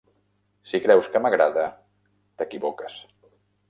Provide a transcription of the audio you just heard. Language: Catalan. Si creus que m'agrada, t'equivoques.